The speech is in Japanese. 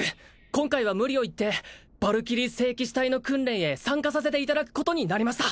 今回は無理を言ってヴァルキリー聖騎士隊の訓練へ参加させていただくことになりました